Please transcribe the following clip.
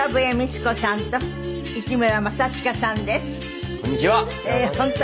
こんにちは！